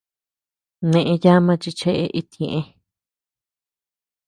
Nee yama chi chee iti ñëe.